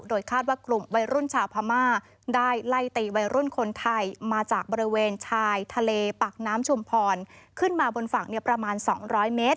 โดยคาดว่ากลุ่มวัยรุ่นชาวพม่าได้ไล่ตีวัยรุ่นคนไทยมาจากบริเวณชายทะเลปากน้ำชุมพรขึ้นมาบนฝั่งประมาณ๒๐๐เมตร